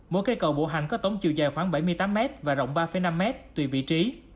mỗi cây cầu bộ hành có tống chiều dài khoảng bảy mươi tám mét và rộng ba năm mét tùy vị trí